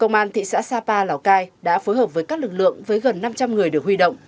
công an thị xã sapa lào cai đã phối hợp với các lực lượng với gần năm trăm linh người được huy động